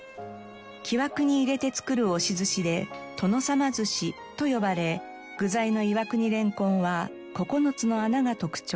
木枠に入れて作る押し寿司で「殿様寿司」と呼ばれ具材の岩国れんこんは９つの穴が特徴。